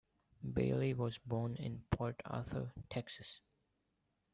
Bailey was born in Port Arthur, Texas.